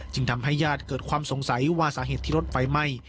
ทำให้ญาติเกิดความสงสัยว่าสาเหตุที่รถไฟไหม้